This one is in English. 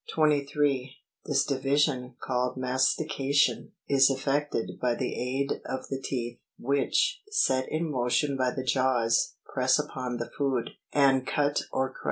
23 This division, called mastication, is effected by the aid of the teeth, which, set in motion by the jaws, press upon the food and cut or crush it.